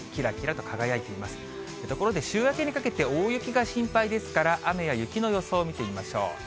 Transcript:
ところで週明けにかけて大雪が心配ですから、雨や雪の予想を見てみましょう。